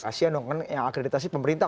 kasian dong kan yang akreditasi pemerintah